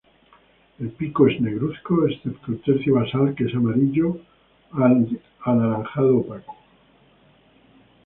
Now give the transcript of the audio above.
El pico es negruzco, excepto el tercio basal que es amarillo a anaranjado opaco.